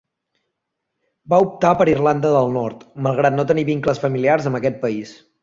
Va optar per Irlanda del Nord, malgrat no tenir vincles familiars amb aquest país.